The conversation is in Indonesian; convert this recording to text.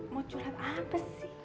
mau curhat apa sih